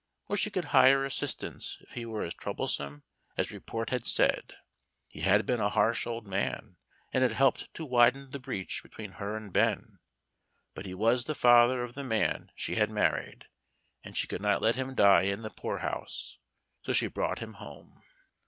Or she could hire assistance if he were as troublesome as report had said. He had been a harsh old man, and had helped to widen the breach between her and Ben. But he was the father of the man she had married, and she could not let him die in the Poor House. So she brought him home.